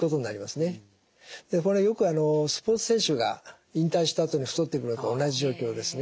でこれよくスポーツ選手が引退したあと太ってくるのと同じ状況ですね。